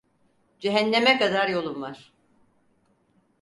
Cehenneme kadar yolun var!